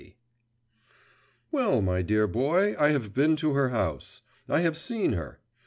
Well, my dear boy, I have been to her house; I have seen her.